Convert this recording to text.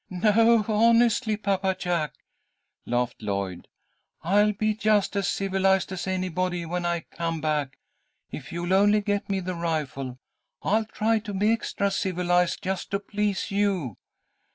"No, honestly, Papa Jack," laughed Lloyd, "I'll be just as civilized as anybody when I come back, if you'll only get me the rifle. I'll try to be extra civilized, just to please you."